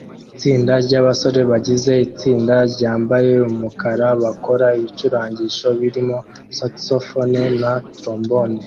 Itsinda ryabasore bagize itsinda ryambaye umukara bakora ibicurangisho birimo saxofone na trombone